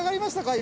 今。